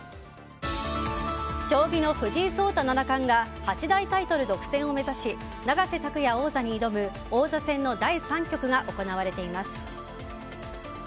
将棋の藤井聡太七冠が八大タイトル独占を目指し永瀬拓矢王座に挑む王座戦の第３局が行われています。